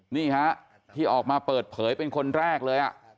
นี่ฮะที่ออกมาเปิดเผยเป็นคนแรกเลย